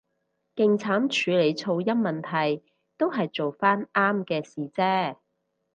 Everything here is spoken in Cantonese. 勁慘處理噪音問題，都係做返啱嘅事啫